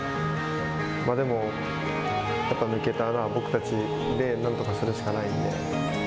でも、やっぱり抜けた穴は僕たちでなんとかするしかないんで。